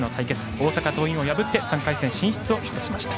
大阪桐蔭を破って３回戦進出を果たしました。